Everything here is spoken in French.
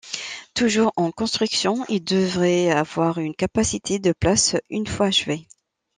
Toujours en construction, il devrait avoir une capacité de places une fois achevé.